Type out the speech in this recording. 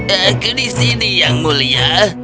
aku di sini yang mulia